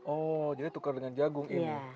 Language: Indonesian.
oh jadi tukar dengan jagung ini